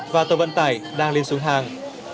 và tàu vận tải đang lên xuống hàng